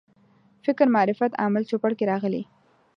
فکر معرفت عامل چوپړ کې راغلي.